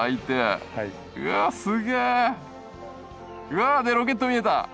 うわでロケット見えた！